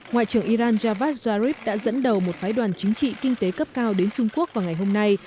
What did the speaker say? ngoại trưởng iran javad zarif đã dẫn đầu một phái đoàn chính trị kinh tế cấp cao đến trung quốc vào ngày hôm nay